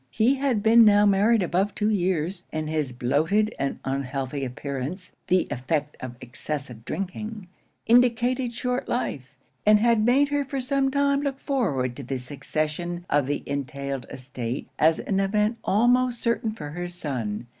He had been now married above two years, and his bloated and unhealthy appearance (the effect of excessive drinking) indicated short life; and had made her for some time look forward to the succession of the entailed estate as an event almost certain for her son.